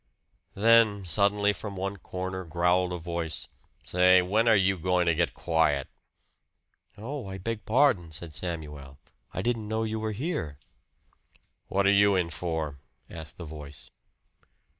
Then suddenly from one corner growled a voice: "Say, when are you going to get quiet?" "Oh, I beg pardon," said Samuel. "I didn't know you were here." "What are you in for?" asked the voice.